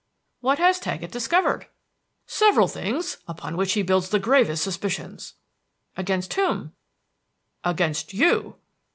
"What has Taggett discovered?" "Several things, upon which he builds the gravest suspicions." "Against whom?" "Against you."